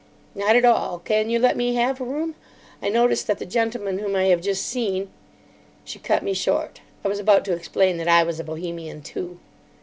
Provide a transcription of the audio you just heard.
"Not at all. Can you let me have a room? I notice that the gentleman whom I have just seen——" She cut me short. I was about to explain that I was a Bohemian, too.